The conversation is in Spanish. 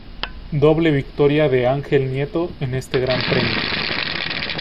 Doble victoria de Ángel Nieto en este Gran Premio.